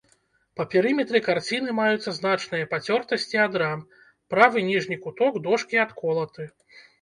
Па перыметры карціны маюцца значныя пацёртасці ад рам, правы ніжні куток дошкі адколаты.